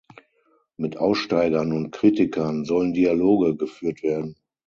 Mit Aussteigern und Kritikern sollen Dialoge geführt werden.